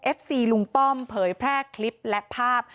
ซีลุงป้อมเผยแพร่คลิปและภาพ